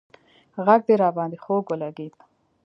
غږ دې راباندې خوږ ولگېد